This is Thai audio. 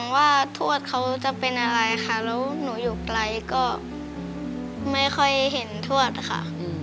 ไม่ค่อยเห็นทวดค่ะ